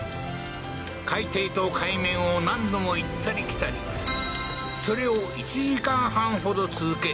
海底と海面を何度も行ったり来たりそれを１時間半ほど続け